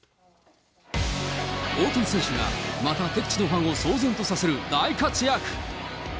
大谷選手がまた敵地のファンを騒然とさせる大活躍。